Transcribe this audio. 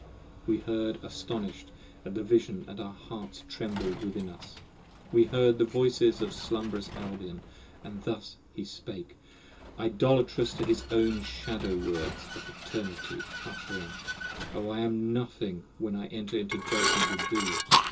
We heard astonish'd at the Vision & our hearts trembled within us; 45 We heard the voice of slumberous Albion, and thus he spake, Idolatrous to his own Shadow words of eternity uttering: O I am nothing when I enter into judgment with thee!